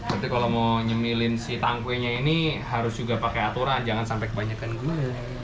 tapi kalau mau nyemilin si tangkwenya ini harus juga pakai aturan jangan sampai kebanyakan gunung